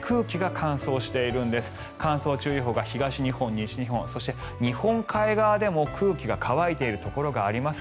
乾燥注意報が東日本、西日本そして、日本海側でも空気が乾いているところがあります。